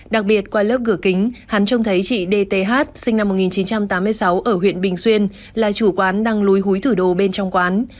đặc biệt qua lớp cửa kính hắn trông thấy chị d t h sinh năm một nghìn chín trăm tám mươi sáu ở huyện bình xuyên là chủ quán đang lúi húi thử đồ bên trong quán